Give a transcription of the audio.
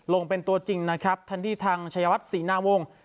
ลงเป็นตัวจริงนะครับแทนที่ทางชายวัดศรีนาวงศ์